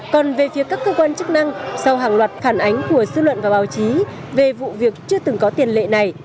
còn về phía các cơ quan chức năng sau hàng loạt phản ánh của dư luận và báo chí về vụ việc chưa từng có tiền lệ này